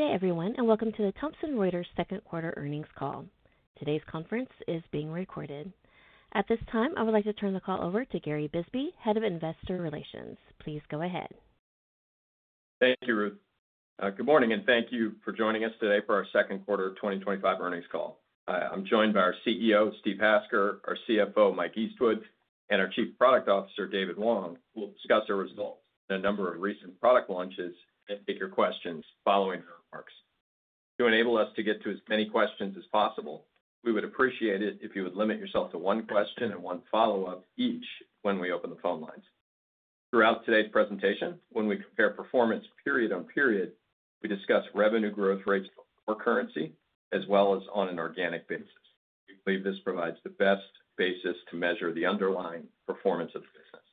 Good day, everyone, and welcome to the Thomson Reuters second quarter earnings call. Today's conference is being recorded. At this time, I would like to turn the call over to Gary Bisbee, Head of Investor Relations. Please go ahead. Thank you, Ruth. Good morning, and thank you for joining us today for our second quarter 2025 earnings call. I'm joined by our CEO, Steve Hasker, our CFO, Mike Eastwood, and our Chief Product Officer, David Wong, who will discuss our results and a number of recent product launches and take your questions following the remarks. To enable us to get to as many questions as possible, we would appreciate it if you would limit yourself to one question and one follow-up each when we open the phone lines. Throughout today's presentation, when we compare performance period on period, we discuss revenue growth rates for currency as well as on an organic basis. We believe this provides the best basis to measure the underlying performance of the business.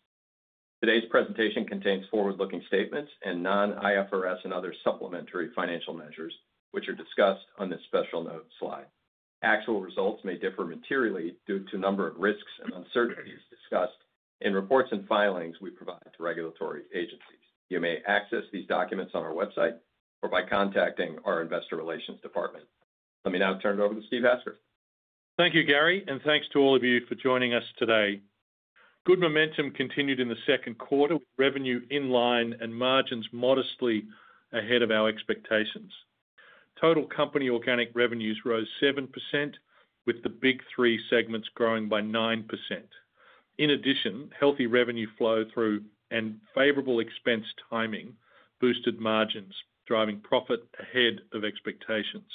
Today's presentation contains forward-looking statements and non-IFRS and other supplementary financial measures, which are discussed on this special note slide. Actual results may differ materially due to a number of risks and uncertainties discussed in reports and filings we provide to regulatory agencies. You may access these documents on our website or by contacting our Investor Relations Department. Let me now turn it over to Steve Hasker. Thank you, Gary, and thanks to all of you for joining us today. Good momentum continued in the second quarter, with revenue in line and margins modestly ahead of our expectations. Total company organic revenues rose 7%, with the big three segments growing by 9%. In addition, healthy revenue flow through and favorable expense timing boosted margins, driving profit ahead of expectations.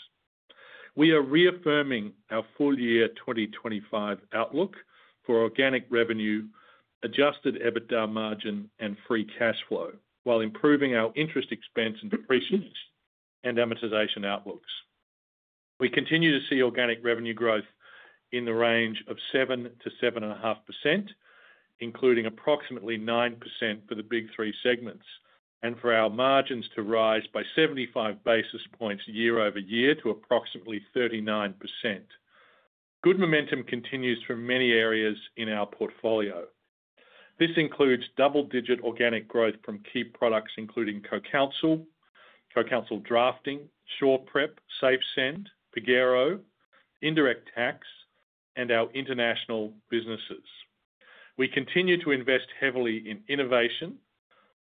We are reaffirming our full-year 2025 outlook for organic revenue, adjusted EBITDA margin, and free cash flow, while improving our interest expense and depreciation and amortization outlooks. We continue to see organic revenue growth in the range of 7%-7.5%, including approximately 9% for the big three segments, and for our margins to rise by 75 basis points year over year to approximately 39%. Good momentum continues from many areas in our portfolio. This includes double-digit organic growth from key products, including CoCounsel, CoCounsel Drafting, SurePrep, SafeSend, Pagero, Indirect Tax, and our international businesses. We continue to invest heavily in innovation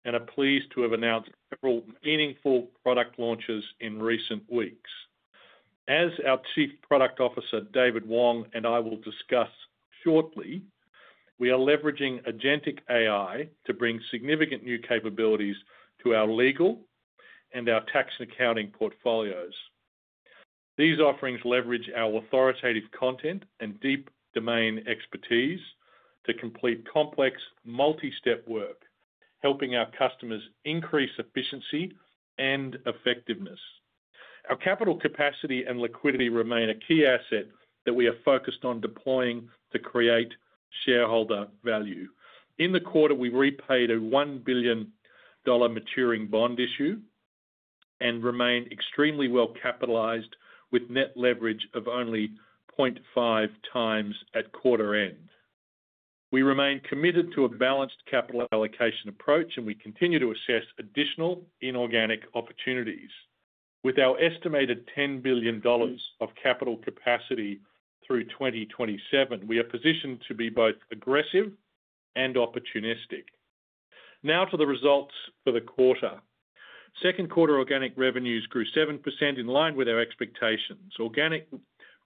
and are pleased to have announced several meaningful product launches in recent weeks. As our Chief Product Officer, David Wong, and I will discuss shortly, we are leveraging Agentic AI to bring significant new capabilities to our legal and our tax and accounting portfolios. These offerings leverage our authoritative content and deep domain expertise to complete complex, multi-step work, helping our customers increase efficiency and effectiveness. Our capital capacity and liquidity remain a key asset that we are focused on deploying to create shareholder value. In the quarter, we repaid a $1 billion maturing bond issue and remain extremely well capitalized, with net leverage of only 0.5x at quarter end. We remain committed to a balanced capital allocation approach, and we continue to assess additional inorganic opportunities. With our estimated $10 billion of capital capacity through 2027, we are positioned to be both aggressive and opportunistic. Now to the results for the quarter. Second quarter organic revenues grew 7% in line with our expectations. Organic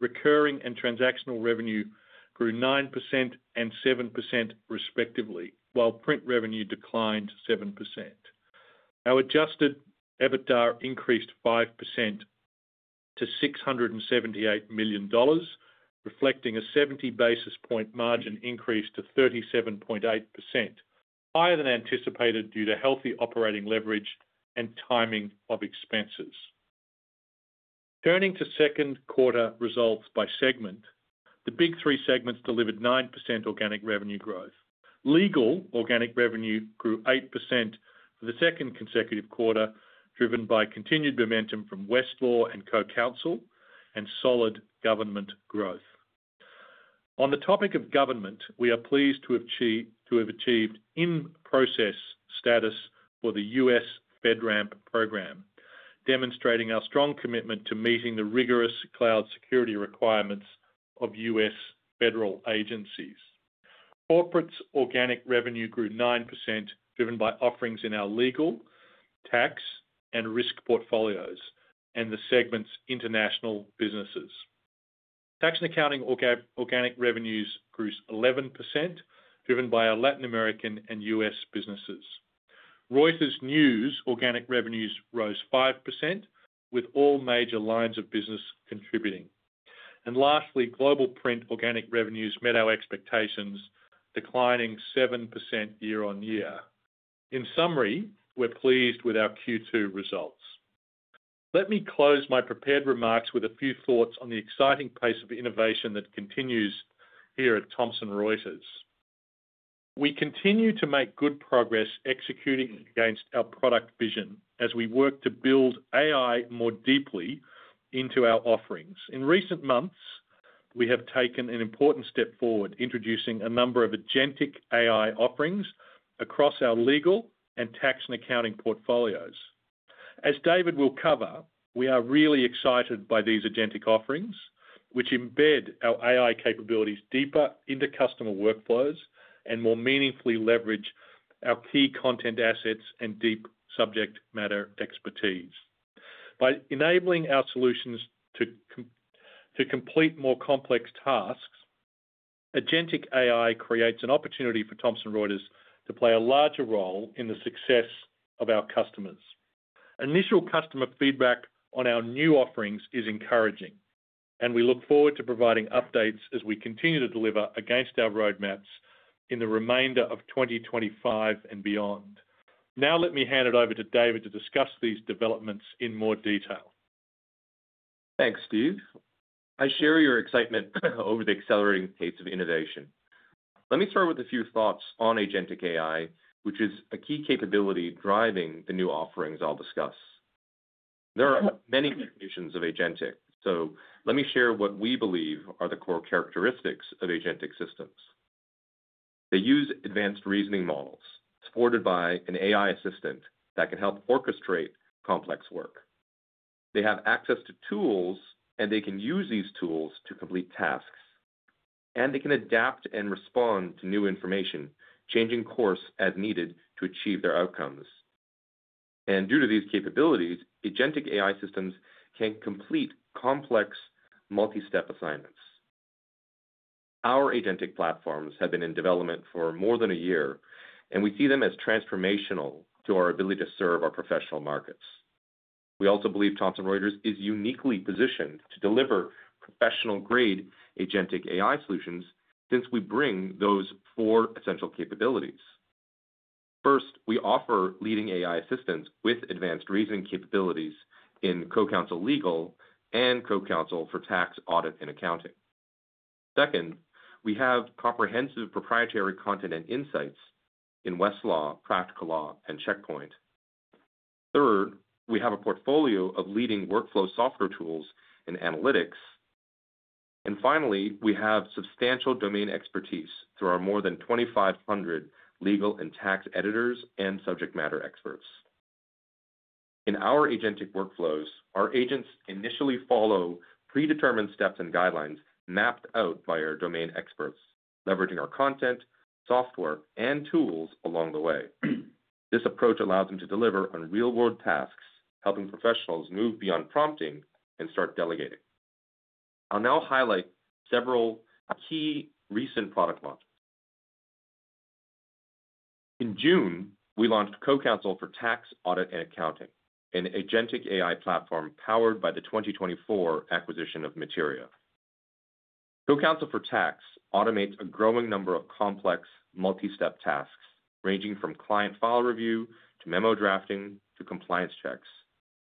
recurring and transactional revenue grew 9% and 7% respectively, while print revenue declined 7%. Our adjusted EBITDA increased 5% to $678 million, reflecting a 70 basis point margin increase to 37.8%, higher than anticipated due to healthy operating leverage and timing of expenses. Turning to second quarter results by segment, the big three segments delivered 9% organic revenue growth. Legal organic revenue grew 8% for the second consecutive quarter, driven by continued momentum from Westlaw and CoCounsel and solid government growth. On the topic of government, we are pleased to have achieved in-process status for the U.S. FedRAMP program, demonstrating our strong commitment to meeting the rigorous cloud security requirements of U.S. federal agencies. Corporate organic revenue grew 9%, driven by offerings in our legal, tax, and risk portfolios, and the segment's international businesses. Tax and accounting organic revenues grew 11%, driven by our Latin American and U.S. businesses. Reuters News organic revenues rose 5%, with all major lines of business contributing. Lastly, global print organic revenues met our expectations, declining 7% year on year. In summary, we're pleased with our Q2 results. Let me close my prepared remarks with a few thoughts on the exciting pace of innovation that continues here at Thomson Reuters. We continue to make good progress executing against our product vision as we work to build AI more deeply into our offerings. In recent months, we have taken an important step forward, introducing a number of Agentic AI offerings across our legal and tax and accounting portfolios. As David will cover, we are really excited by these Agentic offerings, which embed our AI capabilities deeper into customer workflows and more meaningfully leverage our key content assets and deep subject matter expertise. By enabling our solutions to complete more complex tasks, Agentic AI creates an opportunity for Thomson Reuters to play a larger role in the success of our customers. Initial customer feedback on our new offerings is encouraging, and we look forward to providing updates as we continue to deliver against our roadmaps in the remainder of 2025 and beyond. Now, let me hand it over to David to discuss these developments in more detail. Thanks, Steve. I share your excitement over the accelerating pace of innovation. Let me start with a few thoughts on Agentic AI, which is a key capability driving the new offerings I'll discuss. There are many definitions of Agentic, so let me share what we believe are the core characteristics of Agentic systems. They use advanced reasoning models supported by an AI assistant that can help orchestrate complex work. They have access to tools, they can use these tools to complete tasks, and they can adapt and respond to new information, changing course as needed to achieve their outcomes. Due to these capabilities, Agentic AI systems can complete complex multi-step assignments. Our Agentic platforms have been in development for more than a year, and we see them as transformational to our ability to serve our professional markets. We also believe Thomson Reuters is uniquely positioned to deliver professional-grade Agentic AI solutions since we bring those four essential capabilities. First, we offer leading AI assistants with advanced reasoning capabilities in CoCounsel Legal and CoCounsel for Tax, Audit & Accounting. Second, we have comprehensive proprietary content and insights in Westlaw, Practical Law, and Checkpoint. Third, we have a portfolio of leading workflow software tools and analytics. Finally, we have substantial domain expertise through our more than 2,500 legal and tax editors and subject matter experts. In our Agentic workflows, our agents initially follow predetermined steps and guidelines mapped out by our domain experts, leveraging our content, software, and tools along the way. This approach allows them to deliver on real-world tasks, helping professionals move beyond prompting and start delegating. I'll now highlight several key recent product launches. In June, we launched CoCounsel for Tax, Audit & Accounting, an Agentic AI platform powered by the 2024 acquisition of Materia. CoCounsel for Tax automates a growing number of complex multi-step tasks, ranging from client file review to memo drafting to compliance checks.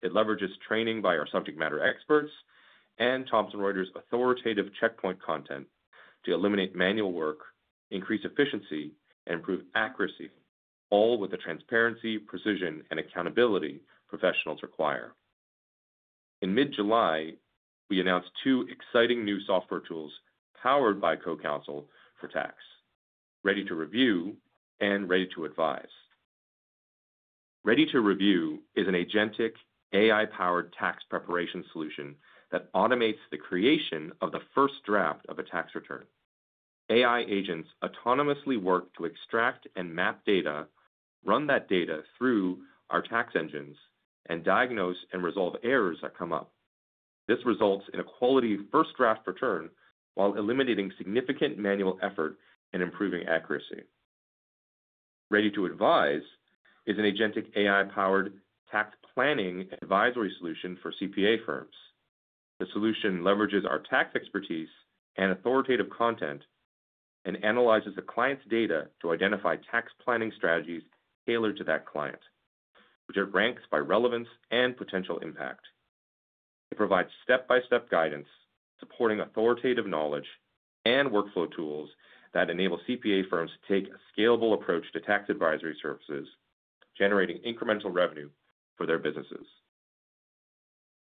It leverages training by our subject matter experts and Thomson Reuters' authoritative Checkpoint content to eliminate manual work, increase efficiency, and improve accuracy, all with the transparency, precision, and accountability professionals require. In mid-July, we announced two exciting new software tools powered by CoCounsel for Tax, Ready to Review and Ready to Advise. Ready to Review is an Agentic AI-powered tax preparation solution that automates the creation of the first draft of a tax return. AI agents autonomously work to extract and map data, run that data through our tax engines, and diagnose and resolve errors that come up. This results in a quality first draft return while eliminating significant manual effort and improving accuracy. Ready to Advise is an Agentic AI-powered tax planning advisory solution for CPA firms. The solution leverages our tax expertise and authoritative content and analyzes the client's data to identify tax planning strategies tailored to that client, which it ranks by relevance and potential impact. It provides step-by-step guidance, supporting authoritative knowledge and workflow tools that enable CPA firms to take a scalable approach to tax advisory services, generating incremental revenue for their businesses.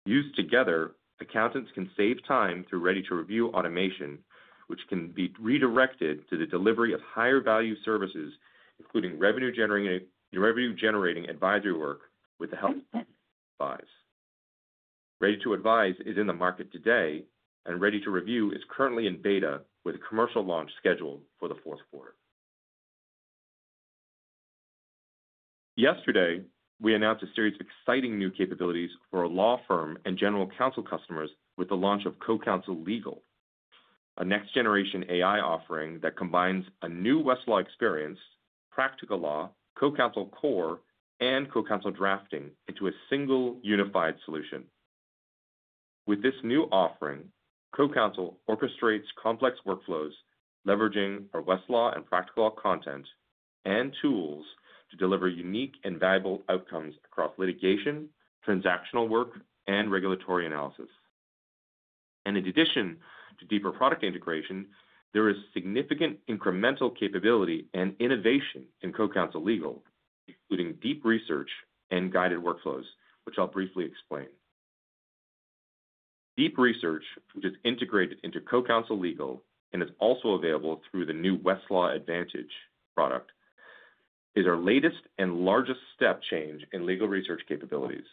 Used together, accountants can save time through Ready to Review automation, which can be redirected to the delivery of higher-value services, including revenue-generating advisory work with the help of Advise. Ready to Advise is in the market today, and Ready to Review is currently in beta with a commercial launch scheduled for the fourth quarter. Yesterday, we announced a series of exciting new capabilities for our law firm and general counsel customers with the launch of CoCounsel Legal, a next-generation AI offering that combines a new Westlaw experience, Practical Law, CoCounsel Core, and CoCounsel Drafting into a single unified solution. With this new offering, CoCounsel orchestrates complex workflows, leveraging our Westlaw and Practical Law content and tools to deliver unique and valuable outcomes across litigation, transactional work, and regulatory analysis. In addition to deeper product integration, there is significant incremental capability and innovation in CoCounsel Legal, including deep research and guided workflows, which I'll briefly explain. Deep research, which is integrated into CoCounsel Legal and is also available through the new Westlaw Advantage product, is our latest and largest step change in legal research capabilities.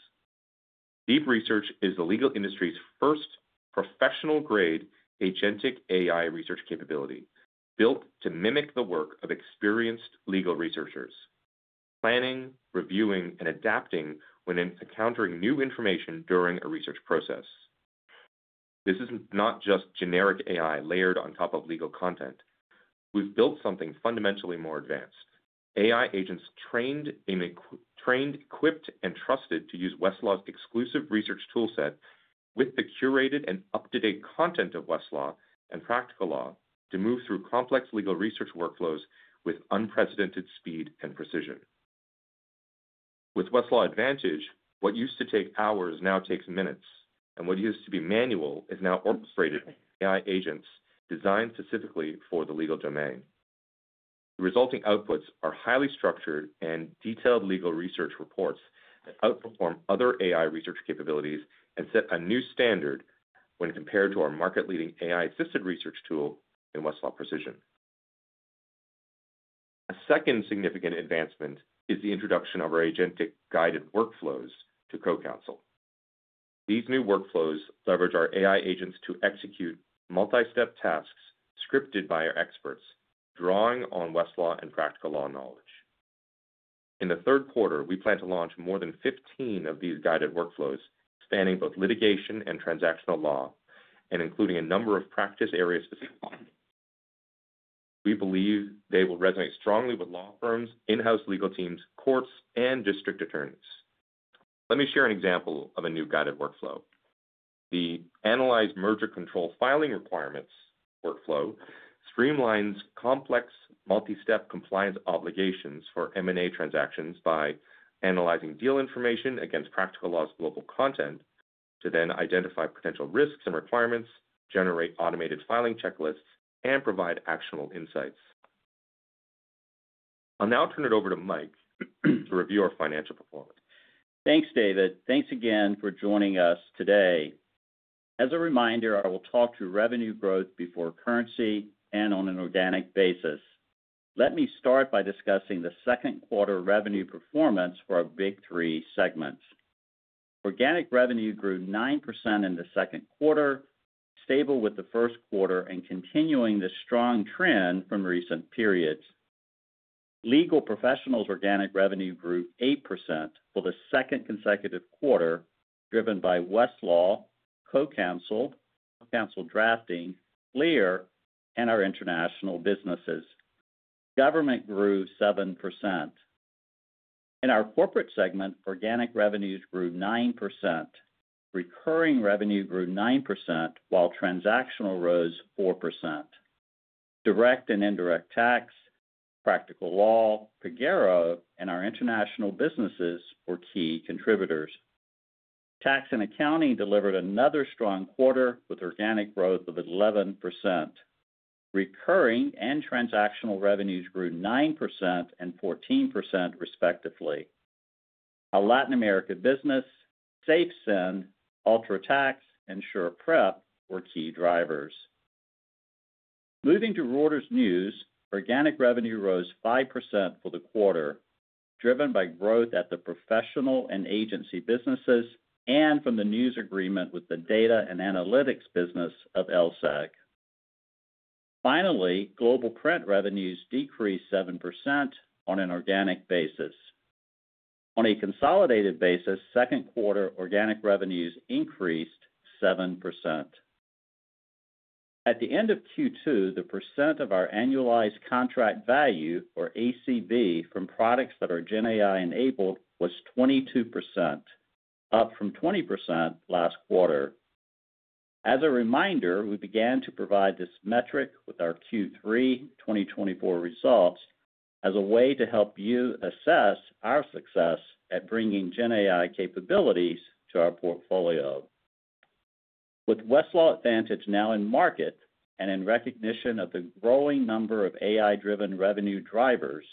Deep research is the legal industry's first professional-grade Agentic AI research capability built to mimic the work of experienced legal researchers planning, reviewing, and adapting when encountering new information during a research process. This is not just generic AI layered on top of legal content. We've built something fundamentally more advanced: AI agents trained, equipped, and trusted to use Westlaw's exclusive research toolset with the curated and up-to-date content of Westlaw and Practical Law to move through complex legal research workflows with unprecedented speed and precision. With Westlaw Advantage, what used to take hours now takes minutes, and what used to be manual is now orchestrated by AI agents designed specifically for the legal domain. The resulting outputs are highly structured and detailed legal research reports that outperform other AI research capabilities and set a new standard when compared to our market-leading AI-assisted research tool in Westlaw Precision. A second significant advancement is the introduction of our Agentic guided workflows to CoCounsel. These new workflows leverage our AI agents to execute multi-step tasks scripted by our experts, drawing on Westlaw and Practical Law knowledge. In the third quarter, we plan to launch more than 15 of these guided workflows, spanning both litigation and transactional law and including a number of practice areas as well. We believe they will resonate strongly with law firms, in-house legal teams, courts, and district attorneys. Let me share an example of a new guided workflow. The Analyze Merger Control Filing Requirements workflow streamlines complex multi-step compliance obligations for M&A transactions by analyzing deal information against Practical Law's global content to then identify potential risks and requirements, generate automated filing checklists, and provide actionable insights. I'll now turn it over to Mike to review our financial performance. Thanks, David. Thanks again for joining us today. As a reminder, I will talk through revenue growth before currency and on an organic basis. Let me start by discussing the second quarter revenue performance for our big three segments. Organic revenue grew 9% in the second quarter, stable with the first quarter and continuing the strong trend from recent periods. Legal Professionals' organic revenue grew 8% for the second consecutive quarter, driven by Westlaw, CoCounsel, CoCounsel Drafting, LIR, and our international businesses. Government grew 7%. In our Corporate segment, organic revenues grew 9%. Recurring revenue grew 9%, while transactional rose 4%. Direct and Indirect Tax, Practical Law, Pagero, and our international businesses were key contributors. Tax and Accounting delivered another strong quarter with organic growth of 11%. Recurring and transactional revenues grew 9% and 14% respectively. Our Latin American businesses, SafeSend, UltraTax, and SurePrep were key drivers. Moving to Reuters News, organic revenue rose 5% for the quarter, driven by growth at the professional and agency businesses and from the news agreement with the data and analytics business of LSEG. Finally, Global Print revenues decreased 7% on an organic basis. On a consolidated basis, second quarter organic revenues increased 7%. At the end of Q2, the percent of our annualized contract value, or ACV, from products that are GenAI-enabled was 22%, up from 20% last quarter. As a reminder, we began to provide this metric with our Q3 2024 results as a way to help you assess our success at bringing GenAI capabilities to our portfolio. With Westlaw Advantage now in market and in recognition of the growing number of AI-driven revenue drivers,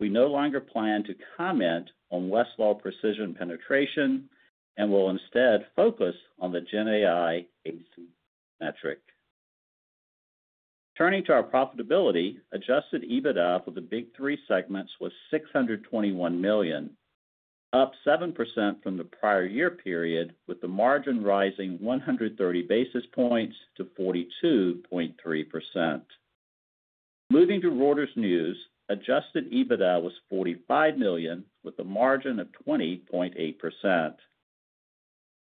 we no longer plan to comment on Westlaw Precision penetration and will instead focus on the GenAI ACV metric. Turning to our profitability, adjusted EBITDA for the big three segments was $621 million, up 7% from the prior year period, with the margin rising 130 basis points to 42.3%. Moving to Reuters News, adjusted EBITDA was $45 million, with a margin of 20.8%.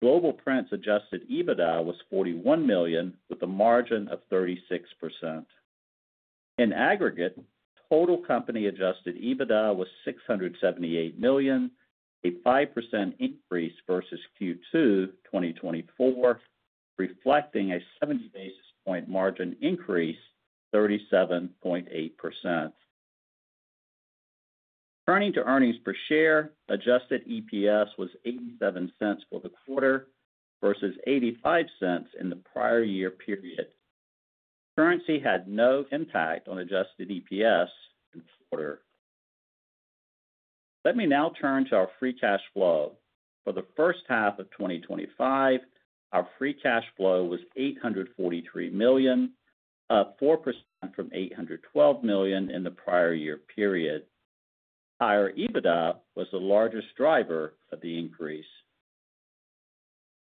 Global Print's adjusted EBITDA was $41 million, with a margin of 36%. In aggregate, total company adjusted EBITDA was $678 million, a 5% increase versus Q2 2024, reflecting a 70 basis point margin increase to 37.8%. Turning to earnings per share, adjusted EPS was $0.87 for the quarter versus $0.85 in the prior year period. Currency had no impact on adjusted EPS for the quarter. Let me now turn to our free cash flow. For the first half of 2025, our free cash flow was $843 million, up 4% from $812 million in the prior year period. Higher EBITDA was the largest driver of the increase.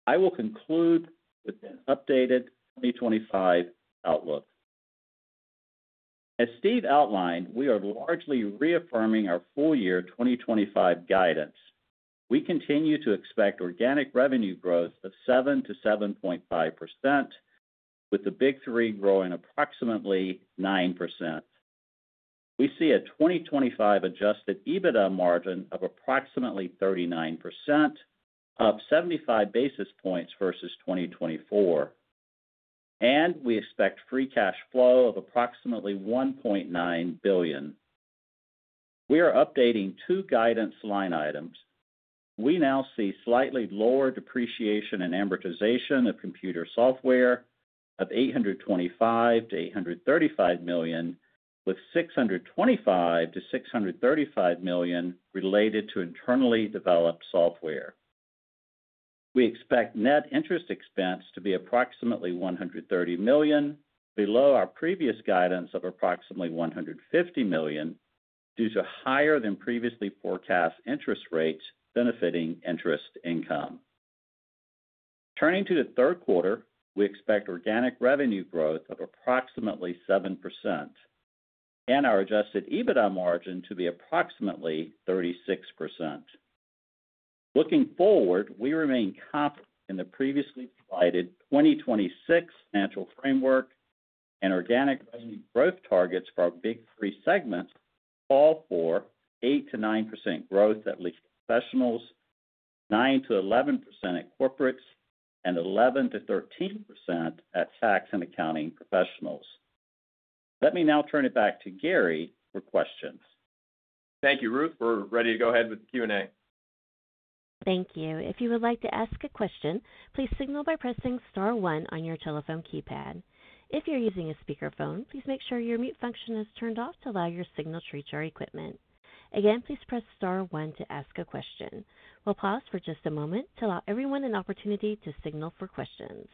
I will conclude with an updated 2025 outlook. As Steve outlined, we are largely reaffirming our full-year 2025 guidance. We continue to expect organic revenue growth of 7%-7.5%, with the big three growing approximately 9%. We see a 2025 adjusted EBITDA margin of approximately 39%, up 75 basis points versus 2024. We expect free cash flow of approximately $1.9 billion. We are updating two guidance line items. We now see slightly lower depreciation and amortization of computer software of $825 million-$835 million, with $625 million-$635 million related to internally developed software. We expect net interest expense to be approximately $130 million, below our previous guidance of approximately $150 million due to higher than previously forecast interest rates benefiting interest income. Turning to the third quarter, we expect organic revenue growth of approximately 7% and our adjusted EBITDA margin to be approximately 36%. Looking forward, we remain confident in the previously provided 2026 financial framework and organic revenue growth targets for our big three segments, all for 8% to 9% growth at least in professionals, 9% to 11% at corporates, and 11% to 13% at tax and accounting professionals. Let me now turn it back to Gary for questions. Thank you, Ruth. We're ready to go ahead with Q&A. Thank you. If you would like to ask a question, please signal by pressing star one on your telephone keypad. If you're using a speakerphone, please make sure your mute function is turned off to allow your signal to reach our equipment. Again, please press star one to ask a question. We'll pause for just a moment to allow everyone an opportunity to signal for questions.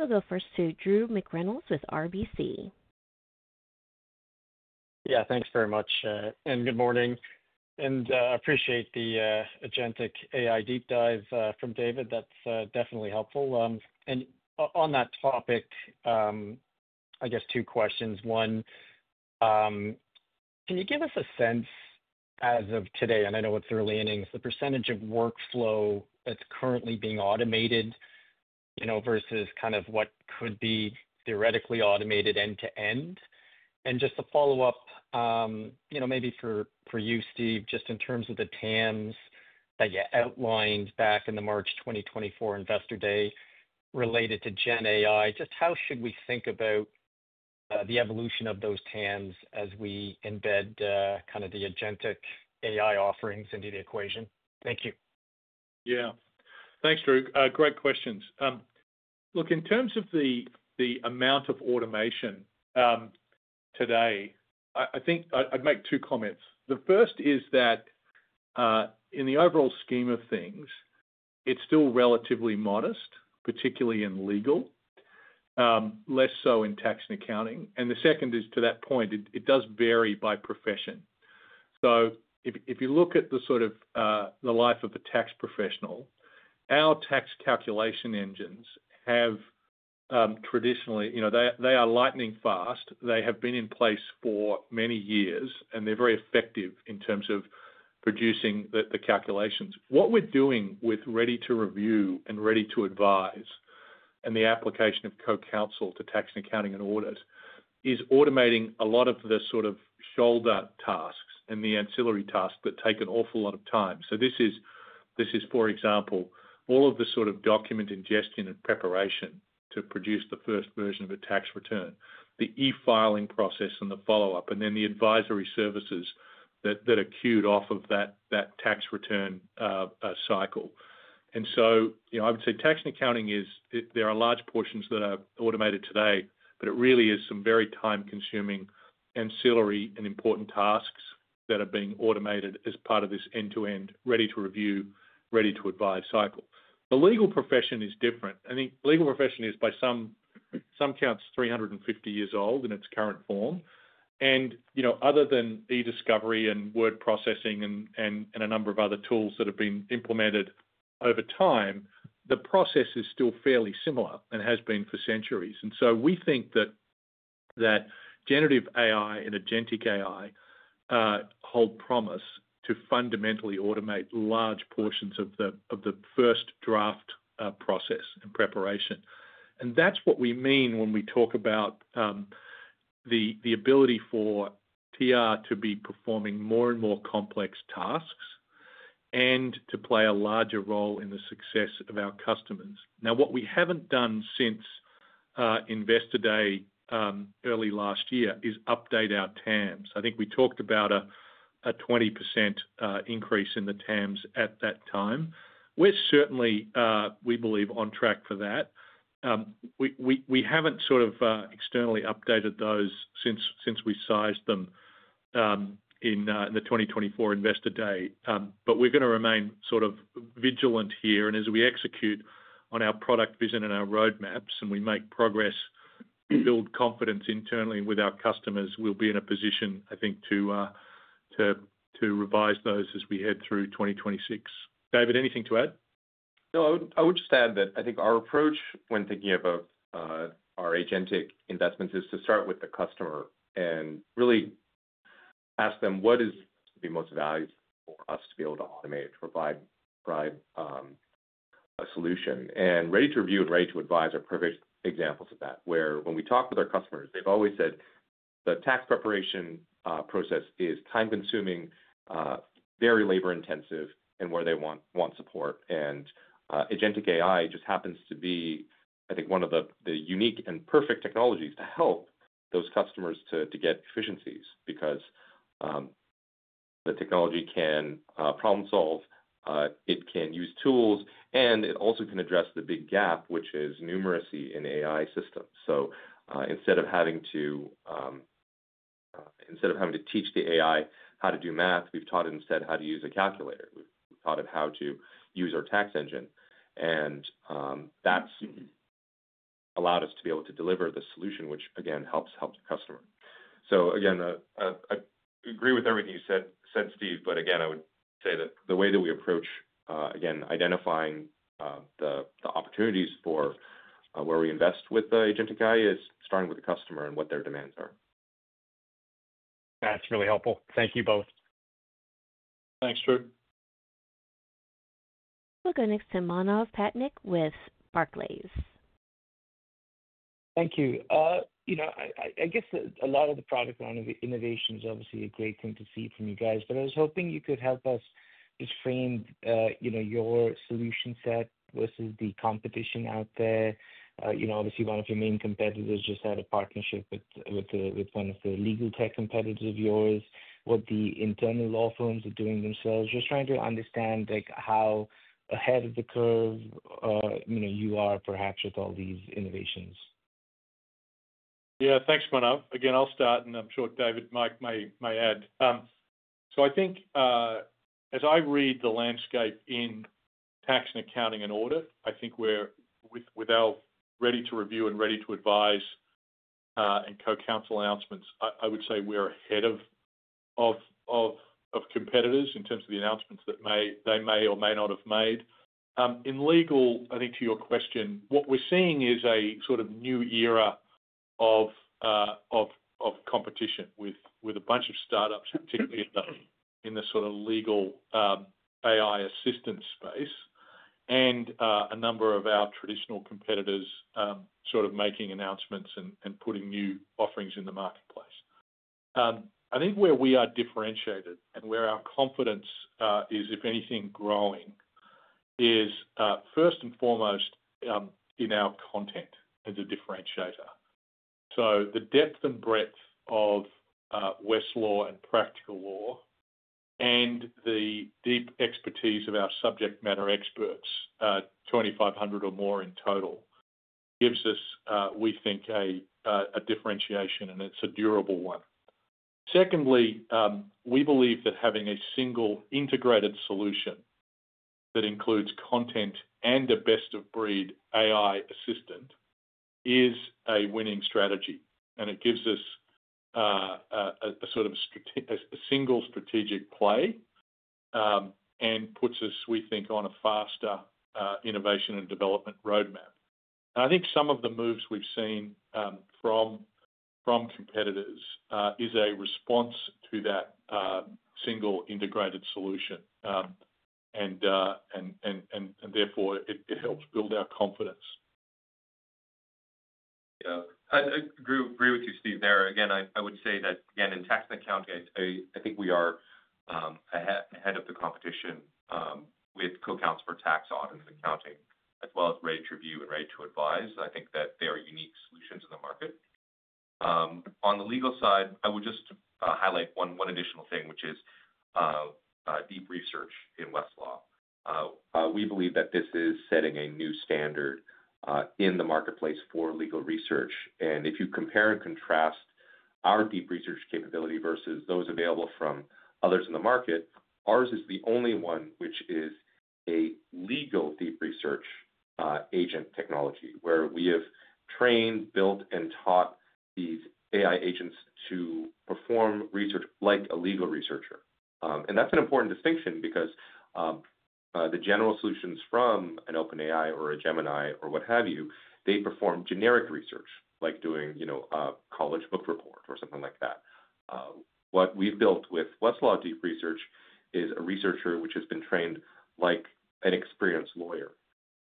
We'll go first to Drew McReynolds with RBC. Yeah, thanks very much. Good morning. I appreciate the Agentic AI deep dive from David. That's definitely helpful. On that topic, I guess two questions. One, can you give us a sense as of today, and I know it's early innings, the percentage of workflow that's currently being automated versus what could be theoretically automated end-to-end? Just to follow up, maybe for you, Steve, in terms of the TAMs that you outlined back in the March 2024 Investor Day related to GenAI, how should we think about the evolution of those TAMs as we embed the Agentic AI offerings into the equation? Thank you. Yeah, thanks, Drew. Great questions. Look, in terms of the amount of automation today, I think I'd make two comments. The first is that in the overall scheme of things, it's still relatively modest, particularly in legal, less so in tax and accounting. The second is, to that point, it does vary by profession. If you look at the sort of the life of a tax professional, our tax calculation engines have traditionally, you know, they are lightning fast. They have been in place for many years, and they're very effective in terms of producing the calculations. What we're doing with Ready to Review and Ready to Advise and the application of CoCounsel to tax and accounting and audit is automating a lot of the sort of shoulder tasks and the ancillary tasks that take an awful lot of time. This is, for example, all of the sort of document ingestion and preparation to produce the first version of a tax return, the e-filing process and the follow-up, and then the advisory services that are queued off of that tax return cycle. I would say tax and accounting is, there are large portions that are automated today, but it really is some very time-consuming, ancillary, and important tasks that are being automated as part of this end-to-end Ready to Review, Ready to Advise cycle. The legal profession is different. I think the legal profession is, by some accounts, 350 years old in its current form. Other than e-discovery and word processing and a number of other tools that have been implemented over time, the process is still fairly similar and has been for centuries. We think that generative AI and Agentic AI hold promise to fundamentally automate large portions of the first draft process and preparation. That's what we mean when we talk about the ability for TR to be performing more and more complex tasks and to play a larger role in the success of our customers. Now, what we haven't done since Investor Day early last year is update our TAMs. I think we talked about a 20% increase in the TAMs at that time. We're certainly, we believe, on track for that. We haven't externally updated those since we sized them in the 2024 Investor Day, but we're going to remain vigilant here. As we execute on our product vision and our roadmaps and we make progress, we build confidence internally with our customers, we'll be in a position, I think, to revise those as we head through 2026. David, anything to add? No, I would just add that I think our approach when thinking about our Agentic investments is to start with the customer and really ask them what is the most valuable for us to be able to automate to provide a solution. Ready to Review and Ready to Advise are perfect examples of that, where when we talk with our customers, they've always said the tax preparation process is time-consuming, very labor-intensive, and where they want support. Agentic AI just happens to be, I think, one of the unique and perfect technologies to help those customers to get efficiencies because the technology can problem-solve, it can use tools, and it also can address the big gap, which is numeracy in AI systems. Instead of having to teach the AI how to do math, we've taught it instead how to use a calculator. We've taught it how to use our tax engine. That's allowed us to be able to deliver the solution, which again helps the customer. I agree with everything you said, Steve, but I would say that the way that we approach identifying the opportunities for where we invest with the Agentic AI is starting with the customer and what their demands are. That's really helpful. Thank you both. Thanks, Drew. We'll go next to Manav Patnaik with Barclays. Thank you. I guess a lot of the product line of innovation is obviously a great thing to see from you guys, but I was hoping you could help us just frame your solution set versus the competition out there. Obviously, one of your main competitors just had a partnership with one of the legal tech competitors of yours. What the internal law firms are doing themselves, we're just trying to understand how ahead of the curve you are perhaps with all these innovations. Yeah, thanks, Manav. I'll start, and I'm sure David and Mike may add. I think, as I read the landscape in tax and accounting and audit, with our Ready to Review and Ready to Advise and CoCounsel announcements, I would say we're ahead of competitors in terms of the announcements they may or may not have made. In legal, to your question, what we're seeing is a sort of new era of competition with a bunch of startups, particularly in the legal AI assistance space, and a number of our traditional competitors making announcements and putting new offerings in the marketplace. Where we are differentiated and where our confidence is, if anything, growing is first and foremost in our content as a differentiator. The depth and breadth of Westlaw and Practical Law and the deep expertise of our subject matter experts, 2,500 or more in total, gives us a differentiation, and it's a durable one. Secondly, we believe that having a single integrated solution that includes content and a best-of-breed AI assistant is a winning strategy, and it gives us a single strategic play and puts us on a faster innovation and development roadmap. I think some of the moves we've seen from competitors is a response to that single integrated solution, and therefore, it helps build our confidence. Yeah, I agree with you, Steve. There again, I would say that again in tax and accounting, I think we are ahead of the competition with CoCounsel for Tax, Audit & Accounting, as well as Ready to Review and Ready to Advise. I think that they are unique solutions in the market. On the legal side, I would just highlight one additional thing, which is deep research in Westlaw. We believe that this is setting a new standard in the marketplace for legal research. If you compare and contrast our deep research capability versus those available from others in the market, ours is the only one which is a legal deep research agent technology, where we have trained, built, and taught these AI agents to perform research like a legal researcher. That's an important distinction because the general solutions from an OpenAI or a Gemini or what have you, they perform generic research, like doing, you know, a college book report or something like that. What we've built with Westlaw deep research is a researcher which has been trained like an experienced lawyer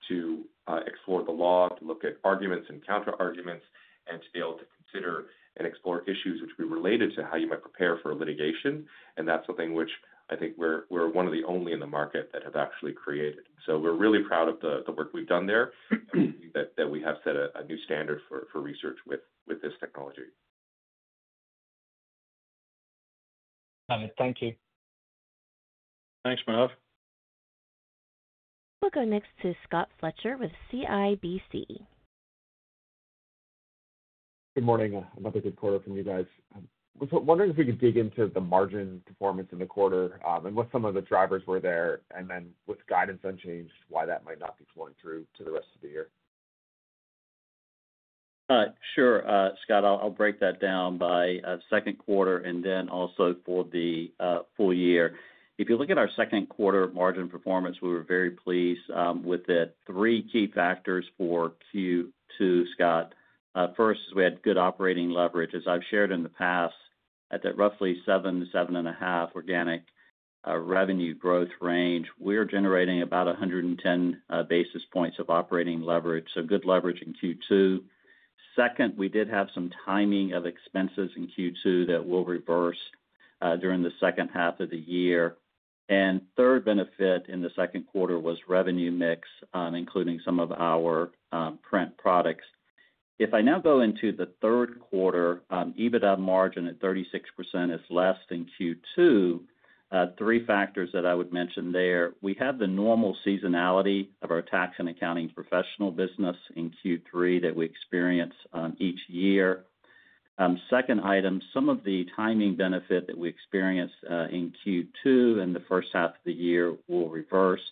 to explore the law, to look at arguments and counter-arguments, and to be able to consider and explore issues which would be related to how you might prepare for a litigation. That's something which I think we're one of the only in the market that have actually created. We're really proud of the work we've done there, that we have set a new standard for research with this technology. Got it. Thank you. Thanks, Manav. We'll go next to Scott Fletcher with CIBC. Good morning. Another good quarter from you guys. I'm wondering if we could dig into the margin performance in the quarter and what some of the drivers were there, and then with guidance unchanged, why that might not be flowing through to the rest of the year. Sure, Scott. I'll break that down by a second quarter and then also for the full year. If you look at our second quarter margin performance, we were very pleased with it. Three key factors for Q2, Scott. First is we had good operating leverage. As I've shared in the past, at that roughly 7%-7.5% organic revenue growth range, we're generating about 110 basis points of operating leverage, so good leverage in Q2. Second, we did have some timing of expenses in Q2 that will reverse during the second half of the year. The third benefit in the second quarter was revenue mix, including some of our print products. If I now go into the third quarter, EBITDA margin at 36% is less than Q2. Three factors that I would mention there. We have the normal seasonality of our tax and accounting professional business in Q3 that we experience each year. Second item, some of the timing benefit that we experience in Q2 and the first half of the year will reverse,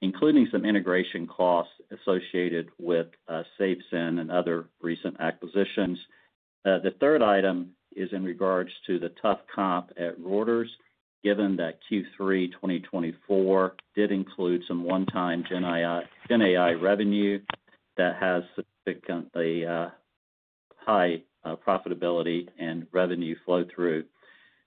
including some integration costs associated with SafeSend and other recent acquisitions. The third item is in regards to the tough comp at Reuters, given that Q3 2024 did include some one-time GenAI revenue that has significantly high profitability and revenue flow through.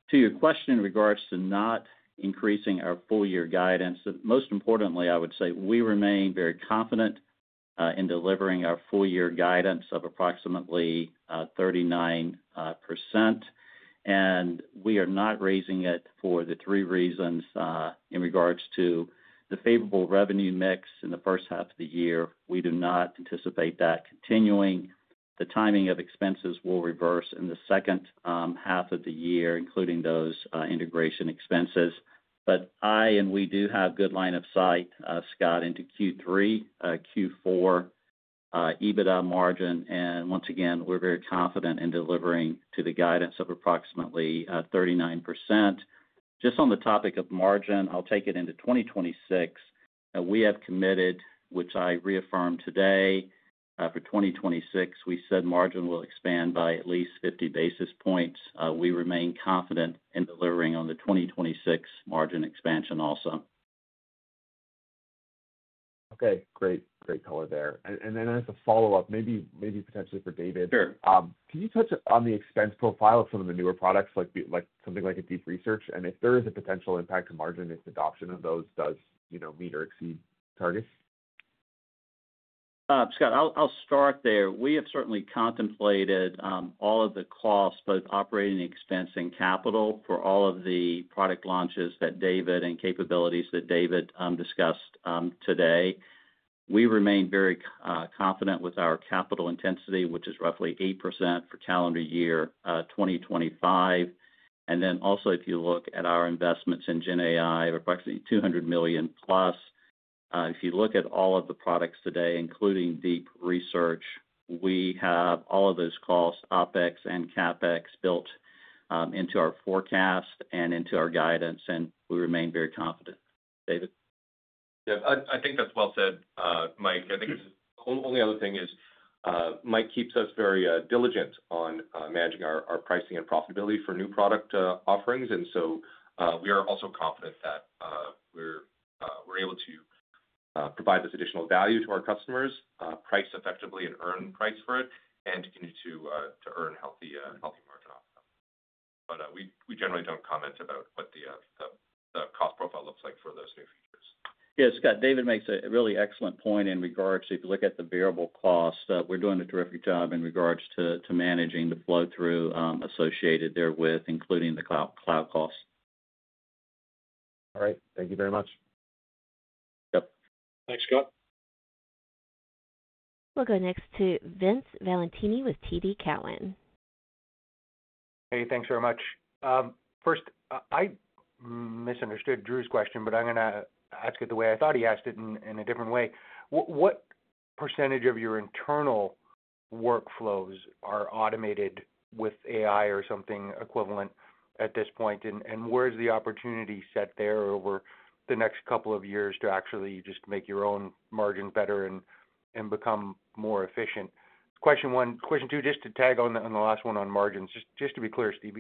To your question in regards to not increasing our full-year guidance, most importantly, I would say we remain very confident in delivering our full-year guidance of approximately 39%. We are not raising it for the three reasons in regards to the favorable revenue mix in the first half of the year. We do not anticipate that continuing. The timing of expenses will reverse in the second half of the year, including those integration expenses. I and we do have a good line of sight, Scott, into Q3, Q4, EBITDA margin. Once again, we're very confident in delivering to the guidance of approximately 39%. Just on the topic of margin, I'll take it into 2026. We have committed, which I reaffirmed today, for 2026, we said margin will expand by at least 50 basis points. We remain confident in delivering on the 2026 margin expansion also. Okay, great, great color there. As a follow-up, maybe potentially for David. Sure. Could you touch on the expense profile of some of the newer products, like something like a deep research, and if there is a potential impact to margin if adoption of those does, you know, meet or exceed targets? Scott, I'll start there. We have certainly contemplated all of the costs, both operating expense and capital, for all of the product launches that David and capabilities that David discussed today. We remain very confident with our capital intensity, which is roughly 8% for calendar year 2025. Also, if you look at our investments in GenAI of approximately $200 million+, if you look at all of the products today, including deep research, we have all of those costs, OpEx and CapEx, built into our forecast and into our guidance, and we remain very confident. David? Yeah, I think that's well said, Mike. I think the only other thing is Mike keeps us very diligent on managing our pricing and profitability for new product offerings. We are also confident that we're able to provide this additional value to our customers, price effectively, and earn price for it, and continue to earn healthy margin off of them. We generally don't comment about what the cost profile looks like for those new features. Yeah, Scott, David makes a really excellent point in regards to if you look at the variable cost, we're doing a terrific job in regards to managing the flow-through associated therewith, including the cloud costs. All right, thank you very much. Yep. Thanks, Scott. We'll go next to Vince Valentini with TD Cowen. Hey, thanks very much. First, I misunderstood Drew's question, but I'm going to ask it the way I thought he asked it in a different way. What percent of your internal workflows are automated with AI or something equivalent at this point? Where's the opportunity set there over the next couple of years to actually just make your own margin better and become more efficient? Question one. Question two, just to tag on the last one on margins, just to be clear, Steve,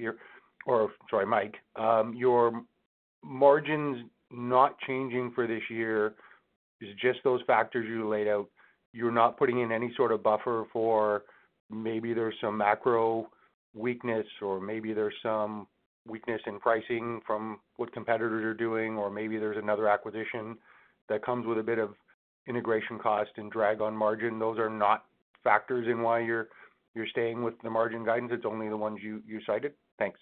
or sorry, Mike, your margins not changing for this year is just those factors you laid out. You're not putting in any sort of buffer for maybe there's some macro weakness or maybe there's some weakness in pricing from what competitors are doing, or maybe there's another acquisition that comes with a bit of integration cost and drag on margin. Those are not factors in why you're staying with the margin guidance. It's only the ones you cited. Thanks.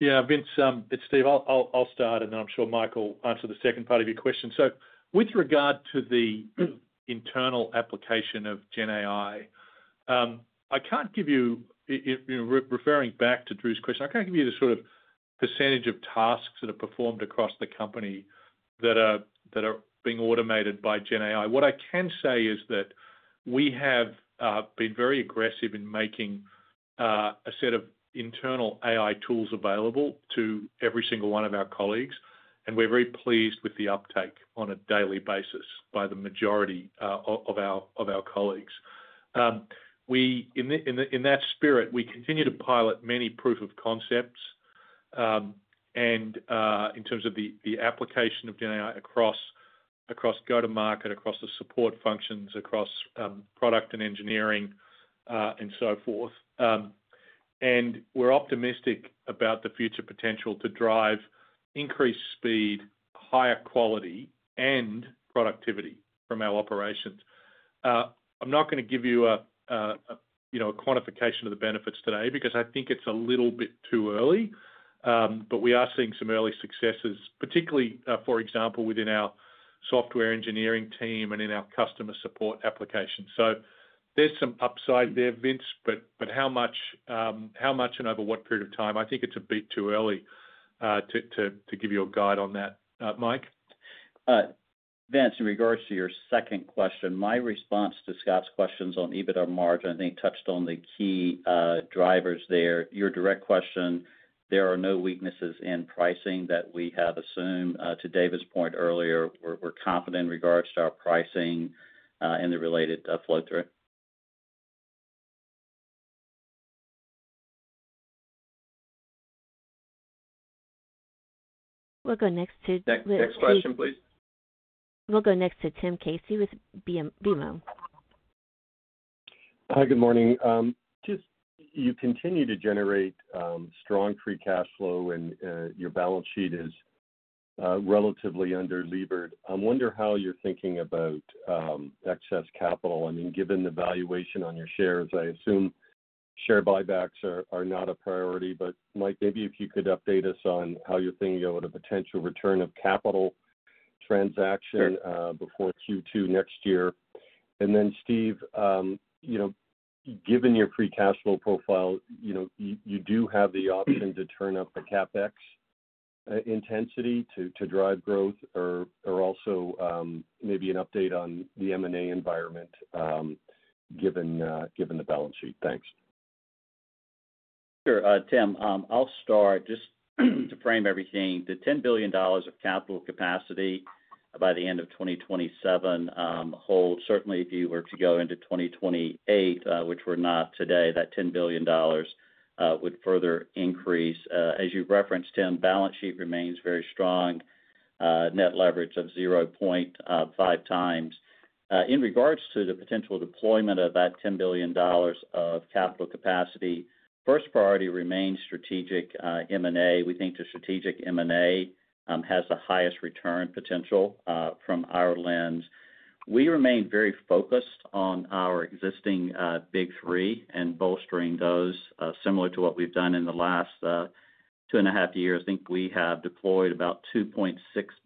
Yeah, Vince, it's Steve. I'll start, and then I'm sure Mike will answer the second part of your question. With regard to the internal application of GenAI, I can't give you, referring back to Drew's question, I can't give you the sort of percentage of tasks that are performed across the company that are being automated by GenAI. What I can say is that we have been very aggressive in making a set of internal AI tools available to every single one of our colleagues, and we're very pleased with the uptake on a daily basis by the majority of our colleagues. In that spirit, we continue to pilot many proof of concepts in terms of the application of GenAI across go-to-market, across the support functions, across product and engineering, and so forth. We're optimistic about the future potential to drive increased speed, higher quality, and productivity from our operations. I'm not going to give you a quantification of the benefits today because I think it's a little bit too early, but we are seeing some early successes, particularly, for example, within our software engineering team and in our customer support applications. There's some upside there, Vince, but how much and over what period of time? I think it's a bit too early to give you a guide on that, Mike. Vance, in regards to your second question, my response to Scott's questions on adjusted EBITDA margin, I think touched on the key drivers there. Your direct question, there are no weaknesses in pricing that we have assumed. To David's point earlier, we're confident in regards to our pricing and the related flow-through. We'll go next. Next question, please. We'll go next to Tim Casey with BMO. Hi, good morning. You continue to generate strong free cash flow and your balance sheet is relatively under-levered. I wonder how you're thinking about excess capital. I mean, given the valuation on your shares, I assume share buybacks are not a priority, but Mike, maybe if you could update us on how you're thinking about a potential return of capital transaction before Q2 next year. Steve, given your free cash flow profile, you do have the option to turn up the CapEx intensity to drive growth or also maybe an update on the M&A environment given the balance sheet. Thanks. Sure, Tim. I'll start just to frame everything. The $10 billion of capital capacity by the end of 2027 holds. Certainly, if you were to go into 2028, which we're not today, that $10 billion would further increase. As you referenced, Tim, balance sheet remains very strong, net leverage of 0.5x. In regards to the potential deployment of that $10 billion of capital capacity, first priority remains strategic M&A. We think the strategic M&A has the highest return potential from our lens. We remain very focused on our existing big three and bolstering those similar to what we've done in the last two and a half years. I think we have deployed about $2.6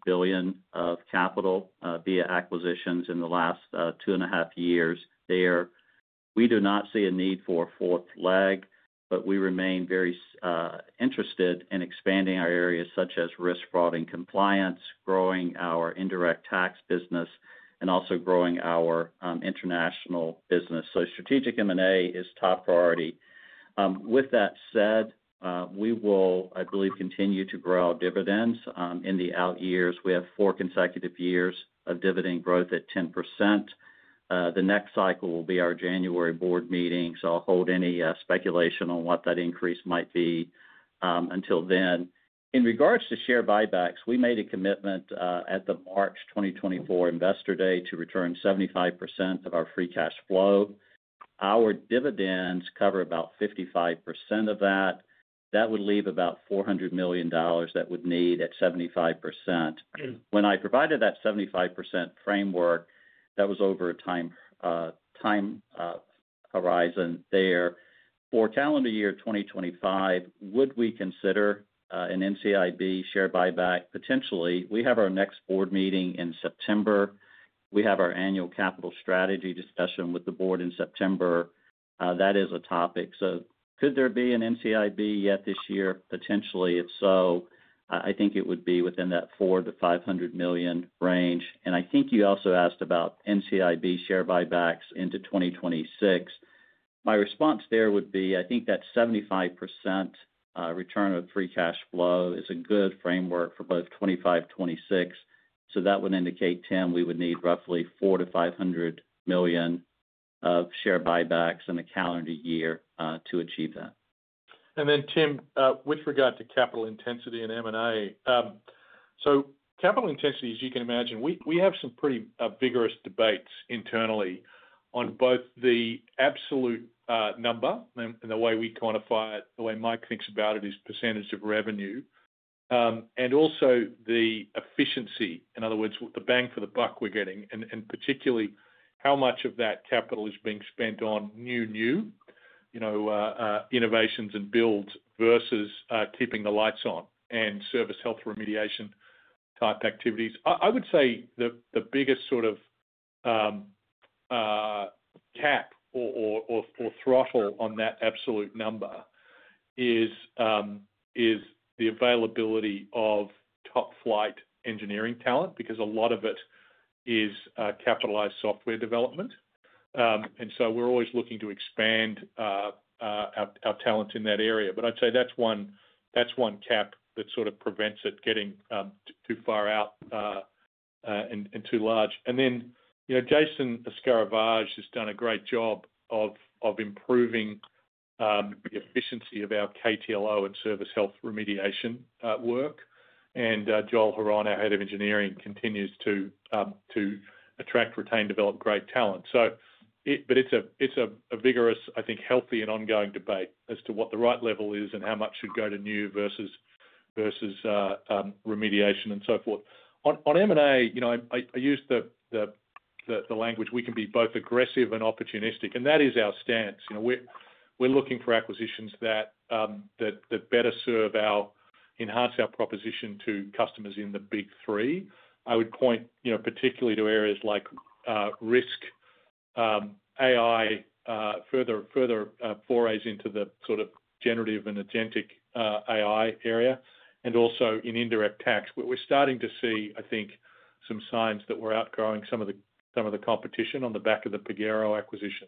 billion of capital via acquisitions in the last two and a half years there. We do not see a need for a fourth leg, but we remain very interested in expanding our areas such as risk fraud and compliance, growing our Indirect Tax business, and also growing our international business. Strategic M&A is top priority. With that said, we will, I believe, continue to grow our dividends. In the out years, we have four consecutive years of dividend growth at 10%. The next cycle will be our January board meeting, so I'll hold any speculation on what that increase might be until then. In regards to share buybacks, we made a commitment at the March 2024 Investor Day to return 75% of our free cash flow. Our dividends cover about 55% of that. That would leave about $400 million that would need at 75%. When I provided that 75% framework, that was over a time horizon there. For calendar year 2025, would we consider an NCIB share buyback? Potentially. We have our next board meeting in September. We have our annual capital strategy discussion with the board in September. That is a topic. Could there be an NCIB yet this year? Potentially. If so, I think it would be within that $400 million-$500 million range. I think you also asked about NCIB share buybacks into 2026. My response there would be, I think that 75% return of free cash flow is a good framework for both '25 and '26. That would indicate, Tim, we would need roughly $400 million-$500 million of share buybacks in the calendar year to achieve that. Tim, we forgot the capital intensity and M&A. Capital intensity, you can imagine, we have some pretty vigorous debates internally on both the absolute number and the way we quantify it. The way Mike thinks about it is percentage of revenue, and also the efficiency. In other words, the bang for the buck we're getting, and particularly how much of that capital is being spent on new, new innovations and builds versus keeping the lights on and service health remediation type activities. I would say the biggest sort of cap or throttle on that absolute number is the availability of top-flight engineering talent because a lot of it is capitalized software development. We're always looking to expand our talent in that area. I'd say that's one cap that sort of prevents it getting too far out and too large. Jason Escaravage has done a great job of improving the efficiency of our KTLO and service health remediation work. Joel Haran, our Head of Engineering, continues to attract, retain, develop great talent. It's a vigorous, I think, healthy and ongoing debate as to what the right level is and how much should go to new versus remediation and so forth. On M&A, I use the language we can be both aggressive and opportunistic, and that is our stance. We're looking for acquisitions that better serve or enhance our proposition to customers in the big three. I would point particularly to areas like risk, AI, further forays into the sort of generative and Agentic AI area, and also in Indirect Tax. We're starting to see, I think, some signs that we're outgrowing some of the competition on the back of the Pagero acquisition.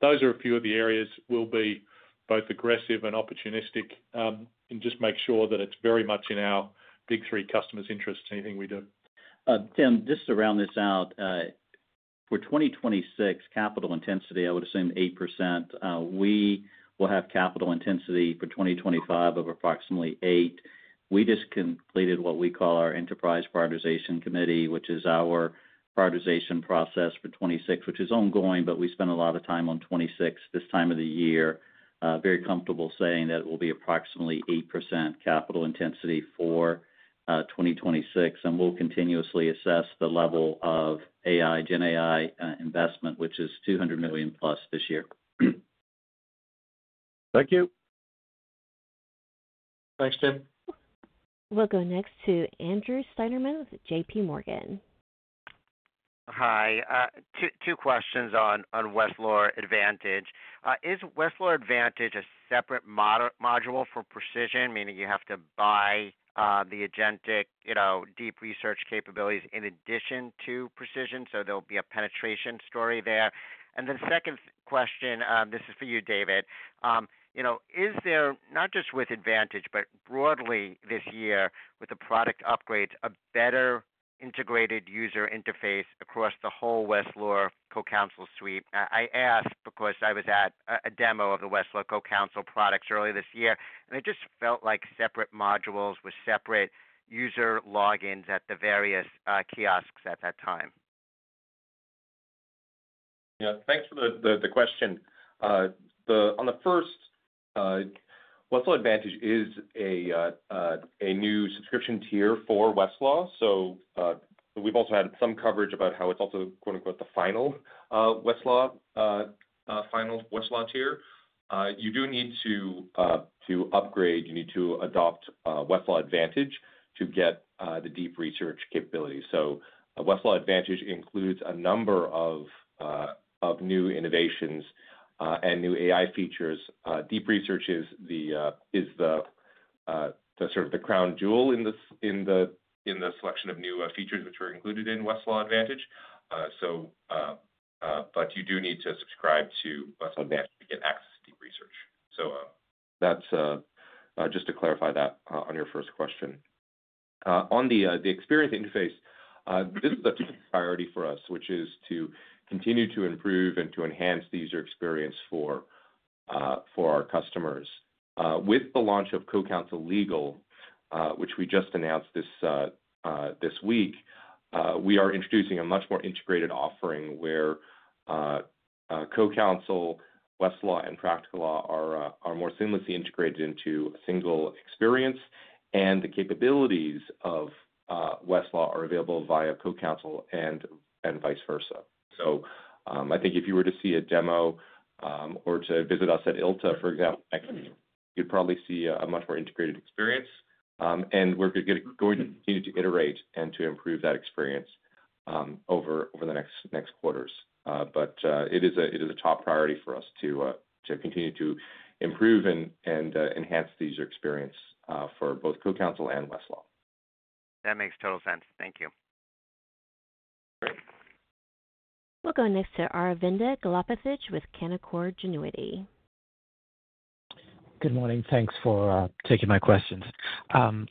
Those are a few of the areas we'll be both aggressive and opportunistic and just make sure that it's very much in our big three customers' interests, anything we do. Tim, just to round this out, for 2026, capital intensity, I would assume 8%. We will have capital intensity for 2025 of approximately 8%. We just completed what we call our Enterprise Prioritization Committee, which is our prioritization process for 2026, which is ongoing, but we spend a lot of time on 2026 this time of the year. Very comfortable saying that it will be approximately 8% capital intensity for 2026, and we'll continuously assess the level of AI, GenAI investment, which is $200 million+ this year. Thank you. Thanks, Tim. We'll go next to Andrew Steinerman with JPMorgan. Hi. Two questions on Westlaw Advantage. Is Westlaw Advantage a separate module for Precision, meaning you have to buy the Agentic AI, you know, deep research capabilities in addition to Precision? There'll be a penetration story there. Second question, this is for you, David. You know, is there, not just with Advantage, but broadly this year, with the product upgrades, a better integrated user interface across the whole Westlaw CoCounsel suite? I ask because I was at a demo of the Westlaw CoCounsel products earlier this year, and it just felt like separate modules with separate user logins at the various kiosks at that time. Yeah, thanks for the question. On the first, Westlaw Advantage is a new subscription tier for Westlaw. We've also had some coverage about how it's also, quote unquote, the final Westlaw tier. You do need to upgrade, you need to adopt Westlaw Advantage to get the deep research capability. Westlaw Advantage includes a number of new innovations and new AI features. Deep research is sort of the crown jewel in the selection of new features which are included in Westlaw Advantage. You do need to subscribe to Westlaw Advantage to get access to deep research. That's just to clarify that on your first question. On the experience interface, this is a priority for us, which is to continue to improve and to enhance the user experience for our customers. With the launch of CoCounsel Legal, which we just announced this week, we are introducing a much more integrated offering where CoCounsel, Westlaw, and Practical Law are more seamlessly integrated into a single experience, and the capabilities of Westlaw are available via CoCounsel and vice versa. I think if you were to see a demo or to visit us at ILTA, for example, next week, you'd probably see a much more integrated experience, and we're going to continue to iterate and to improve that experience over the next quarters. It is a top priority for us to continue to improve and enhance the user experience for both CoCounsel and Westlaw. That makes total sense. Thank you. We'll go next to Aravinda Galappatthige with Canaccord Genuity. Good morning. Thanks for taking my questions. On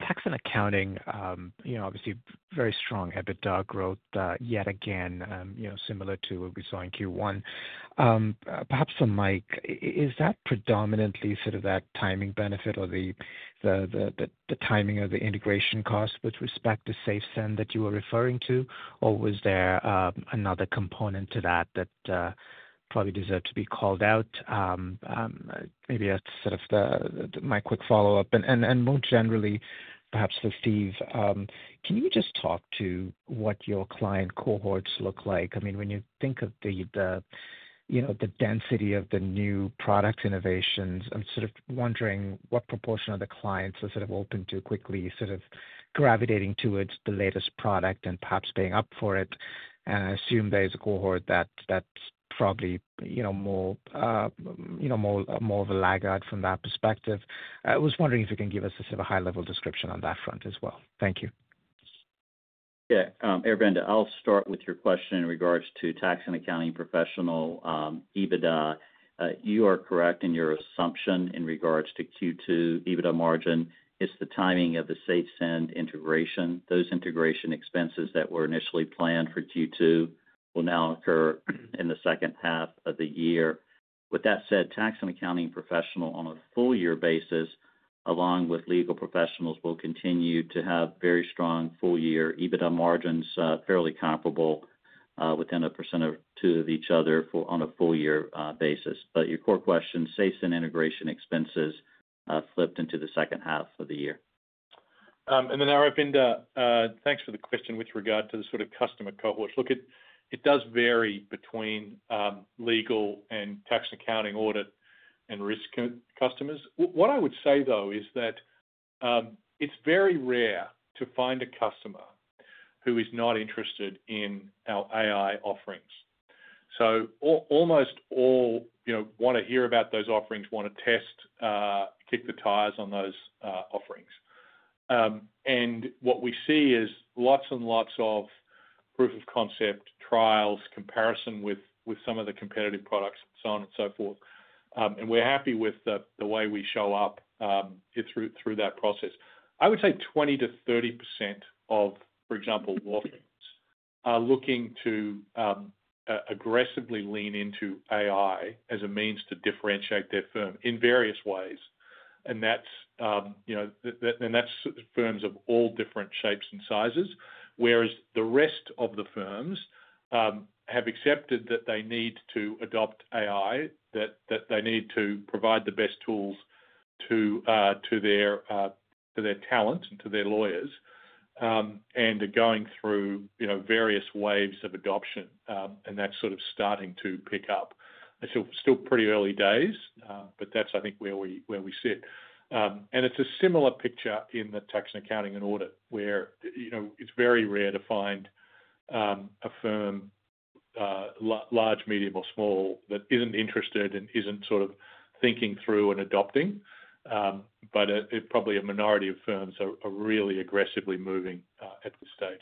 tax and accounting, obviously very strong EBITDA growth yet again, similar to what we saw in Q1. Perhaps for Mike, is that predominantly that timing benefit or the timing of the integration cost with respect to SafeSend that you were referring to, or was there another component to that that probably deserved to be called out? Maybe that's my quick follow-up. More generally, perhaps for Steve, can you just talk to what your client cohorts look like? When you think of the density of the new product innovations, I'm wondering what proportion of the clients are open to quickly gravitating towards the latest product and perhaps paying up for it. I assume there's a cohort that's probably more of a laggard from that perspective. I was wondering if you can give us a high-level description on that front as well. Thank you. Yeah, Aravinda, I'll start with your question in regards to tax and accounting professional EBITDA. You are correct in your assumption in regards to Q2 EBITDA margin. It's the timing of the SafeSend integration. Those integration expenses that were initially planned for Q2 will now occur in the second half of the year. With that said, tax and accounting professional on a full-year basis, along with legal professionals, will continue to have very strong full-year EBITDA margins, fairly comparable within a percentage of each other on a full-year basis. Your core question, SafeSend integration expenses flipped into the second half of the year. Aravinda, thanks for the question with regard to the sort of customer cohorts. It does vary between legal and tax and accounting audit and risk customers. What I would say, though, is that it's very rare to find a customer who is not interested in our AI offerings. Almost all want to hear about those offerings, want to test, kick the tires on those offerings. What we see is lots and lots of proof of concept trials, comparison with some of the competitive products, so on and so forth. We're happy with the way we show up through that process. I would say 20%-30% of, for example, law firms are looking to aggressively lean into AI as a means to differentiate their firm in various ways. That's firms of all different shapes and sizes, whereas the rest of the firms have accepted that they need to adopt AI, that they need to provide the best tools to their talent and to their lawyers, and are going through various waves of adoption. That's sort of starting to pick up. It's still pretty early days, but that's, I think, where we sit. It's a similar picture in the tax and accounting and audit, where it's very rare to find a firm, large, medium, or small, that isn't interested and isn't sort of thinking through and adopting. It's probably a minority of firms that are really aggressively moving at this stage.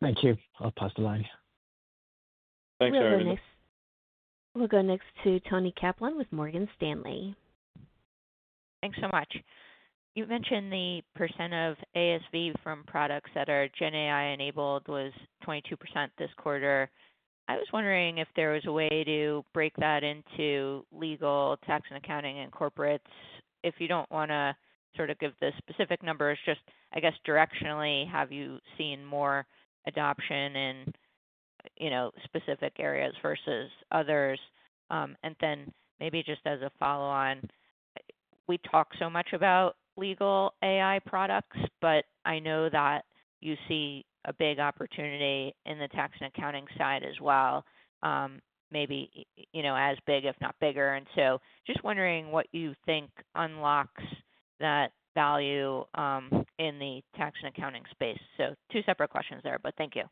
Thank you. I'll pass the line. Thanks, Aravinda. We'll go next to Toni Kaplan with Morgan Stanley. Thanks so much. You mentioned the percent of ASV from products that are GenAI-enabled was 22% this quarter. I was wondering if there was a way to break that into legal, tax and accounting, and corporates. If you don't want to give the specific numbers, just, I guess, directionally, have you seen more adoption in specific areas versus others? Maybe just as a follow-on, we talk so much about legal AI products, but I know that you see a big opportunity in the tax and accounting side as well, maybe as big, if not bigger. Just wondering what you think unlocks that value in the tax and accounting space. Two separate questions there, but thank you.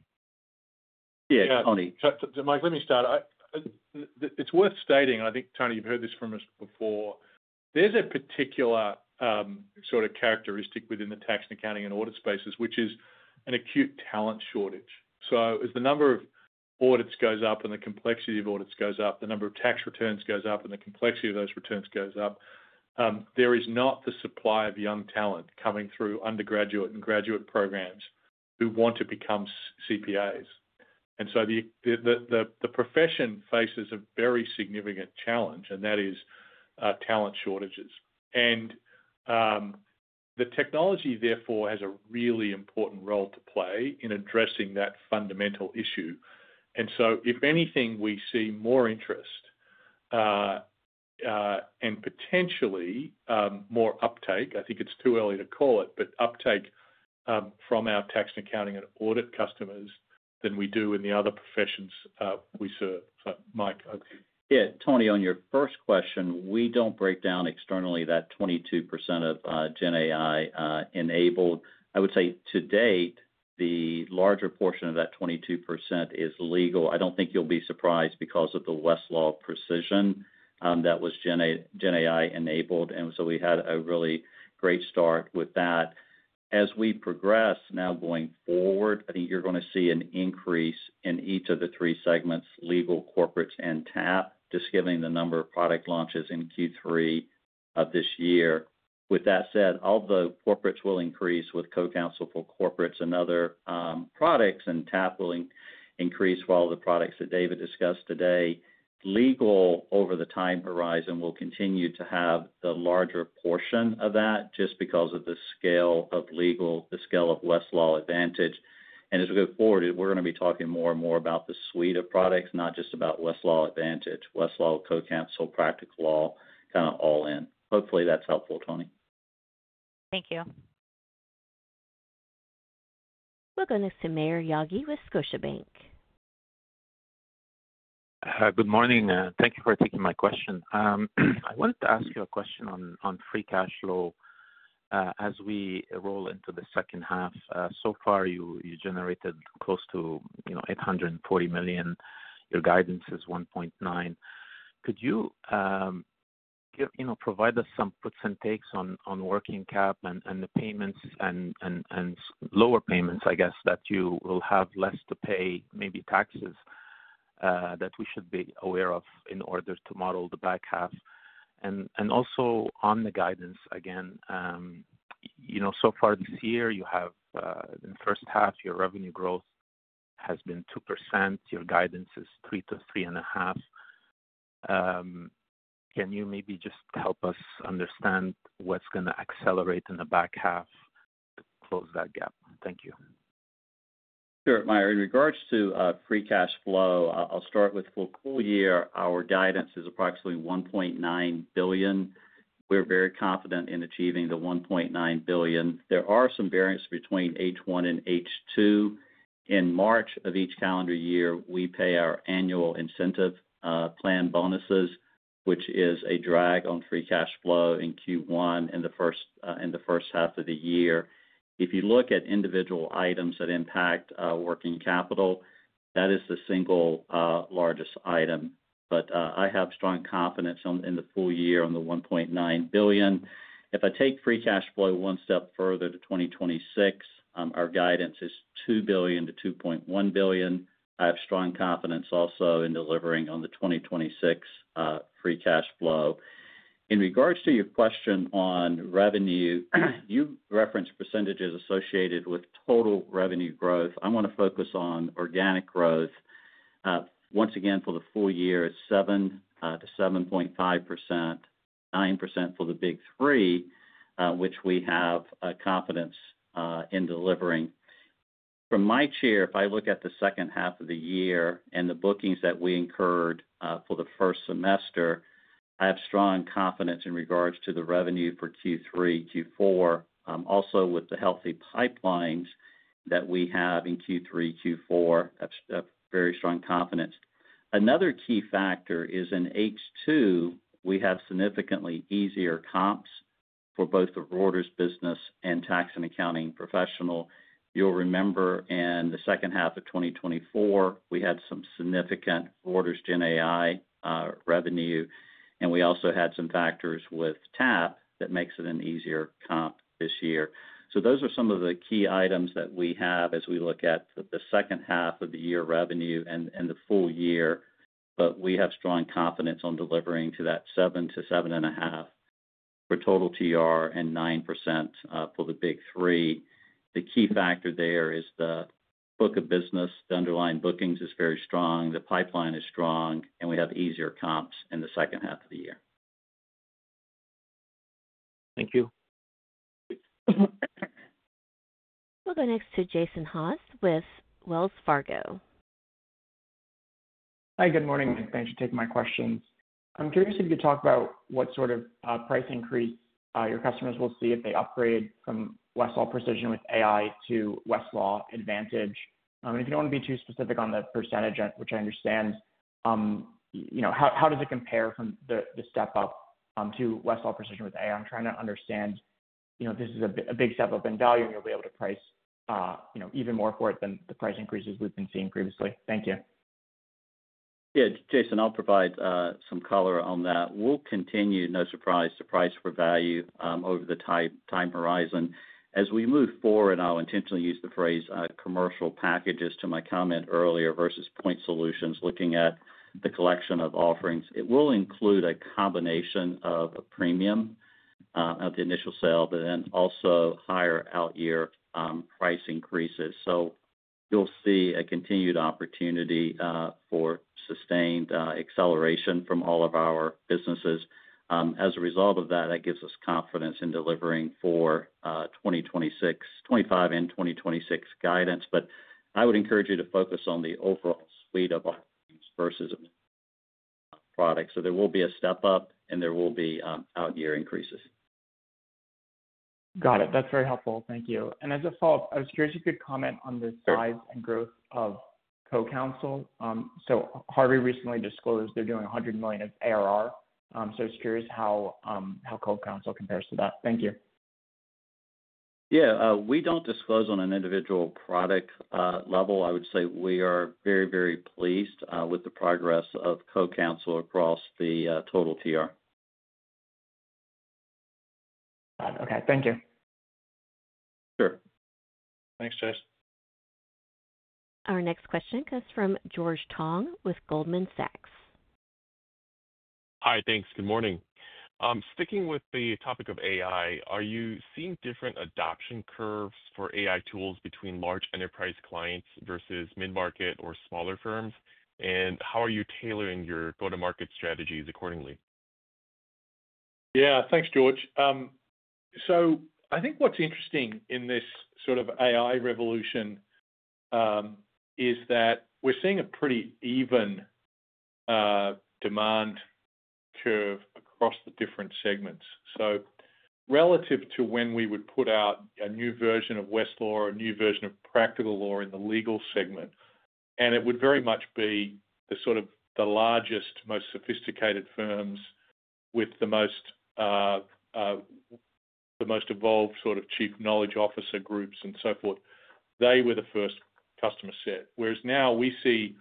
Yeah, Tony. Mike, let me start. It's worth stating, and I think, Tony, you've heard this from us before, there's a particular sort of characteristic within the tax and accounting and audit spaces, which is an acute talent shortage. As the number of audits goes up and the complexity of audits goes up, the number of tax returns goes up and the complexity of those returns goes up, there is not the supply of young talent coming through undergraduate and graduate programs who want to become CPAs. The profession faces a very significant challenge, and that is talent shortages. The technology, therefore, has a really important role to play in addressing that fundamental issue. If anything, we see more interest and potentially more uptake. I think it's too early to call it, but uptake from our tax and accounting and audit customers than we do in the other professions we serve. Mike, over to you. Yeah, Tony, on your first question, we don't break down externally that 22% of GenAI-enabled. I would say to date, the larger portion of that 22% is legal. I don't think you'll be surprised because of the Westlaw Precision that was GenAI-enabled, and we had a really great start with that. As we progress now going forward, I think you're going to see an increase in each of the three segments: legal, corporate, and TAP, just given the number of product launches in Q3 of this year. With that said, although corporates will increase with CoCounsel for corporates and other products, and TAP will increase with the products that David discussed today, legal over the time horizon will continue to have the larger portion of that just because of the scale of legal, the scale of Westlaw Advantage. As we go forward, we're going to be talking more and more about the suite of products, not just about Westlaw Advantage, Westlaw, CoCounsel, Practical Law, kind of all in. Hopefully, that's helpful, Tony. Thank you. We'll go next to Maher Yaghi with Scotiabank. Good morning. Thank you for taking my question. I wanted to ask you a question on free cash flow as we roll into the second half. So far, you generated close to $840 million. Your guidance is $1.9 billion. Could you provide us some puts and takes on working cap and the payments and lower payments, I guess, that you will have less to pay, maybe taxes, that we should be aware of in order to model the back half? Also on the guidance, again, so far this year, you have in the first half, your revenue growth has been 2%. Your guidance is 3% to 3.5%. Can you maybe just help us understand what's going to accelerate in the back half to close that gap? Thank you. Sure. In regards to free cash flow, I'll start with full year. Our guidance is approximately $1.9 billion. We're very confident in achieving the $1.9 billion. There are some variances between H1 and H2. In March of each calendar year, we pay our annual incentive plan bonuses, which is a drag on free cash flow in Q1 in the first half of the year. If you look at individual items that impact working capital, that is the single largest item. I have strong confidence in the full year on the $1.9 billion. If I take free cash flow one step further to 2026, our guidance is $2 billion to $2.1 billion. I have strong confidence also in delivering on the 2026 free cash flow. In regards to your question on revenue, you referenced percentage associated with total revenue growth. I want to focus on organic growth. Once again, for the full year, it's 7% to 7.5%, 9% for the big three, which we have confidence in delivering. From my chair, if I look at the second half of the year and the bookings that we incurred for the first semester, I have strong confidence in regards to the revenue for Q3, Q4. Also, with the healthy pipelines that we have in Q3, Q4, I have very strong confidence. Another key factor is in H2, we have significantly easier comps for both the Reuters business and Tax and Accounting Professional. You'll remember in the second half of 2024, we had some significant Reuters GenAI revenue, and we also had some factors with TAP that make it an easier comp this year. Those are some of the key items that we have as we look at the second half of the year revenue and the full year, but we have strong confidence on delivering to that 7%-7.5% for total Thomson Reuters and 9% for the big three. The key factor there is the book of business. The underlying bookings are very strong. The pipeline is strong, and we have easier comps in the second half of the year. Thank you. We'll go next to Jason Haas with Wells Fargo. Hi, good morning. Thanks for taking my questions. I'm curious if you could talk about what sort of price increase your customers will see if they upgrade from Westlaw Precision with AI to Westlaw Advantage. If you don't want to be too specific on the percentage, which I understand, how does it compare from the step up to Westlaw Precision with AI? I'm trying to understand if this is a big step up in value and you'll be able to price even more for it than the price increases we've been seeing previously. Thank you. Yeah, Jason, I'll provide some color on that. We'll continue, no surprise, to price for value over the time horizon. As we move forward, and I'll intentionally use the phrase commercial packages to my comment earlier versus point solutions, looking at the collection of offerings, it will include a combination of a premium of the initial sale, but then also higher out-year price increases. You'll see a continued opportunity for sustained acceleration from all of our businesses. As a result of that, that gives us confidence in delivering for 2025 and 2026 guidance. I would encourage you to focus on the overall suite of offerings versus a product. There will be a step up and there will be out-year increases. Got it. That's very helpful. Thank you. As a follow-up, I was curious if you could comment on the size and growth of CoCounsel. Harvey recently disclosed they're doing $100 million of ARR. I was curious how CoCounsel compares to that. Thank you. Yeah, we don't disclose on an individual product level. I would say we are very, very pleased with the progress of CoCounsel across the total TR. Got it. Okay, thank you. Sure. Thanks, Jason. Our next question comes from George Tong with Goldman Sachs. Hi, thanks. Good morning. Sticking with the topic of AI, are you seeing different adoption curves for AI tools between large enterprise clients versus mid-market or smaller firms? How are you tailoring your go-to-market strategies accordingly? Yeah, thanks, George. I think what's interesting in this sort of AI revolution is that we're seeing a pretty even demand curve across the different segments. Relative to when we would put out a new version of Westlaw or a new version of Practical Law in the legal segment, it would very much be the largest, most sophisticated firms with the most evolved Chief Knowledge Officer groups and so forth. They were the first customer set. Whereas now we see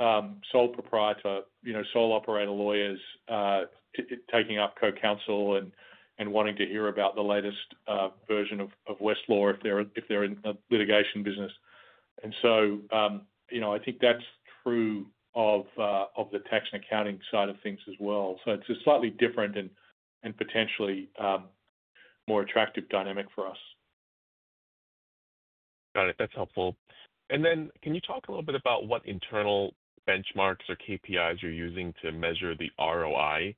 sole proprietor, sole operator lawyers taking up CoCounsel and wanting to hear about the latest version of Westlaw if they're in the litigation business. I think that's true of the tax and accounting side of things as well. It's a slightly different and potentially more attractive dynamic for us. Got it. That's helpful. Can you talk a little bit about what internal benchmarks or KPIs you're using to measure the ROI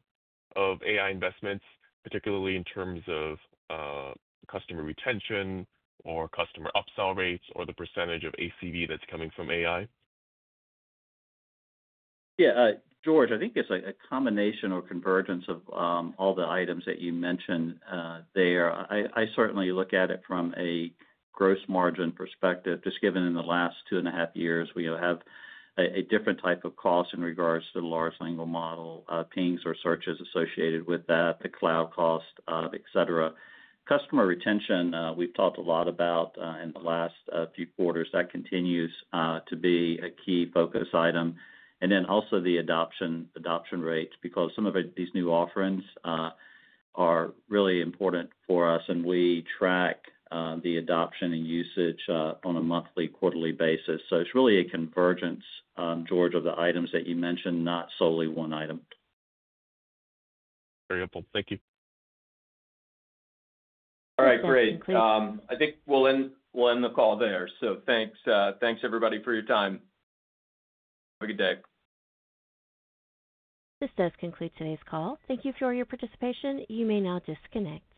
of AI investments, particularly in terms of customer retention or customer upsell rates or the percentage of annualized contract value that's coming from AI? Yeah, George, I think it's a combination or convergence of all the items that you mentioned there. I certainly look at it from a gross margin perspective, just given in the last two and a half years, we have a different type of cost in regards to the large language model pings or searches associated with that, the cloud cost, etc. Customer retention, we've talked a lot about in the last few quarters. That continues to be a key focus item. Also, the adoption rate because some of these new offerings are really important for us, and we track the adoption and usage on a monthly, quarterly basis. It's really a convergence, George, of the items that you mentioned, not solely one item. Very helpful. Thank you. All right, great. I think we'll end the call there. Thanks, thanks everybody for your time. Have a good day. This does conclude today's call. Thank you for your participation. You may now disconnect.